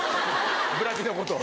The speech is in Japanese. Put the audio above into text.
ブラピのことを。